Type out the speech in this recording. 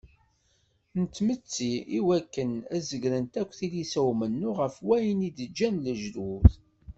N tmetti iwakken ad zegrent akk tilisa n umennuɣ ɣef wayen i d-ǧǧan lejdud.